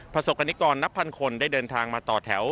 ประสบกรณิกรนับพันคนได้เดินทางมาต่อแถว